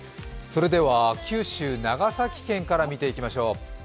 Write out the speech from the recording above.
九州、長崎県から見ていきましょう。